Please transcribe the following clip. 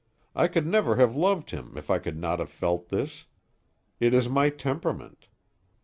I could never have loved him if I could not have felt this. It is my temperament.